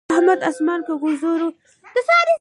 احمد اسمان په ګوزو ولي.